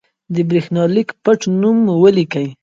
د برېښنالېک پټنوم مو ولیکئ.